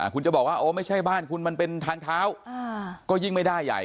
คุณจะบอกว่าโอ้ไม่ใช่บ้านคุณมันเป็นทางเท้าก็ยิ่งไม่ได้ใหญ่